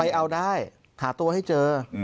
เอาได้หาตัวให้เจอ